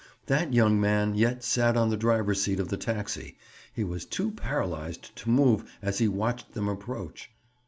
That young man yet sat on the driver's seat of the taxi; he was too paralyzed to move as he watched them approach.